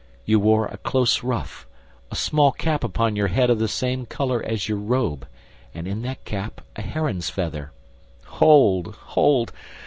You wore a close ruff, a small cap upon your head of the same color as your robe, and in that cap a heron's feather. Hold! Hold!